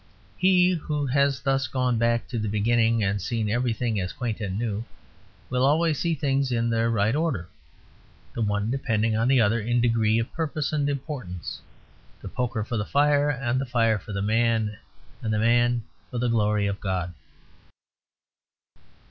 He who has thus gone back to the beginning, and seen everything as quaint and new, will always see things in their right order, the one depending on the other in degree of purpose and importance: the poker for the fire and the fire for the man and the man for the glory of God.